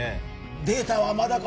データはまだか？